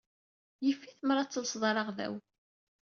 Yif-it mer ad telseḍ araɣdaw.